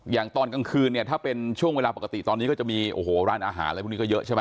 อย่างตอนกลางคืนเนี่ยถ้าเป็นช่วงเวลาปกติตอนนี้ก็จะมีโอ้โหร้านอาหารอะไรพวกนี้ก็เยอะใช่ไหม